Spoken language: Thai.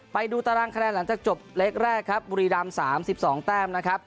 ไปดูตารางคะแนนหลังจากจบเล็กแรกครับบุรีรำ๓๒แต้มนะครับ